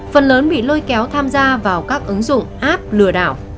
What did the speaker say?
phần lớn bị lôi kéo tham gia vào các ứng dụng app lừa đảo